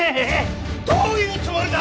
どういうつもりだ！？